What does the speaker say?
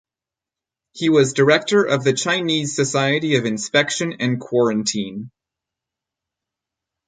He was director of the Chinese Society of Inspection and Quarantine.